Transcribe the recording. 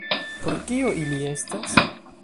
Por kio ili estas?